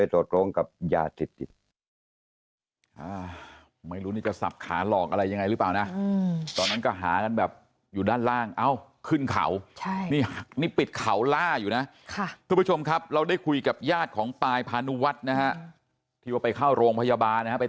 ตำรวจกันตัวไว้เป็นพยานนะครับ